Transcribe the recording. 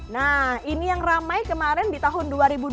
nah ini yang ramai kemarin di tahun dua ribu dua puluh